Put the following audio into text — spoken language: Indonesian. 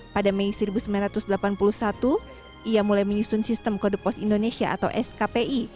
pada mei seribu sembilan ratus delapan puluh satu ia mulai menyusun sistem kode pos indonesia atau skpi